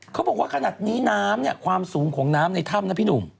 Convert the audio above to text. เขาบอกว่าขนาดนี้น้ำเนี่ยความสูงของน้ำในถ้ำนะพี่หนุ่ม